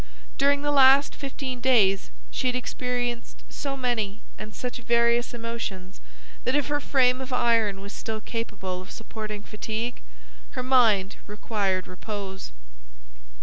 During the last fifteen days she had experienced so many and such various emotions that if her frame of iron was still capable of supporting fatigue, her mind required repose.